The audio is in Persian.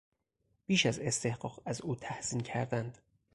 بیش از استحقاق از او تحسین کردند.